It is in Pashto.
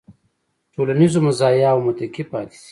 ټولنیزو مزایاوو متکي پاتې شي.